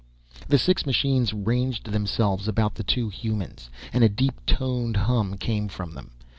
The six machines ranged themselves about the two humans, and a deep toned hum came from them.